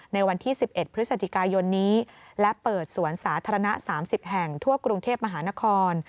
ในวันที่๑๑พฤศจิกายนนี้และเปิดสวนสาธารณะ๓๐แห่งทั่วกรุงเทพมหานคร